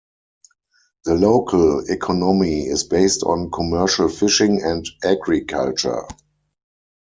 The local economy is based on commercial fishing and agriculture.